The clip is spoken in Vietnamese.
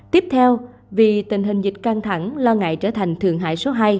tiếp theo vì tình hình dịch căng thẳng lo ngại trở thành thượng hải số hai